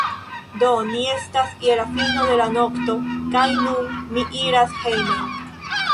Do, ni estas je la fino de la nokto kaj nun mi iras hejmen